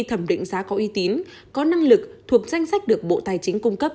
thẩm định giá có uy tín có năng lực thuộc danh sách được bộ tài chính cung cấp